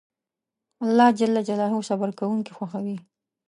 الله جل جلاله صبر کونکي خوښوي